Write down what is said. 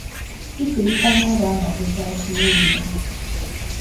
Kisirika n'oba nga tokyakiwulira.